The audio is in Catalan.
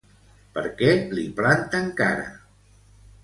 Per què li planten cara?